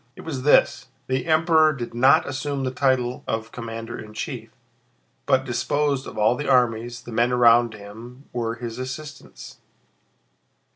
It was this: the Emperor did not assume the title of commander in chief, but disposed of all the armies; the men around him were his assistants.